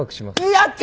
やった！